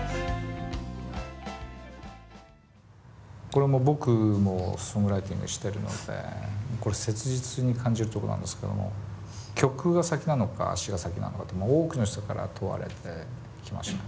これも僕もソングライティングしてるのでこれ切実に感じるところなんですけれども曲が先なのか詞が先なのかと多くの人から問われてきました。